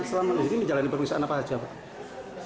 tadi selama ini menjalani perusahaan apa saja pak